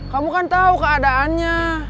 kamu kan tau keadaannya